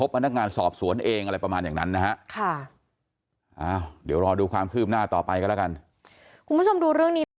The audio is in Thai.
คุณผู้ชมดูเรื่องนี้